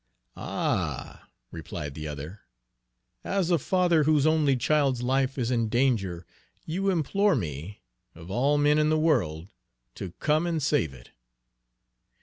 "Ah!" replied the other, "as a father whose only child's life is in danger, you implore me, of all men in the world, to come and save it!"